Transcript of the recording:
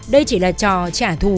đây chỉ là trò trả thù